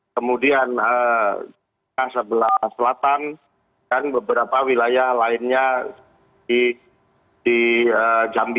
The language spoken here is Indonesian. kemudian sebelah selatan dan beberapa wilayah lainnya di jambi